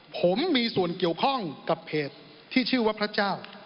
ผมมีส่วนเกี่ยวข้องกับเพจที่ชื่อว่าพระเจ้า